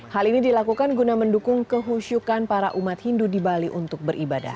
hal ini dilakukan guna mendukung kehusukan para umat hindu di bali untuk beribadah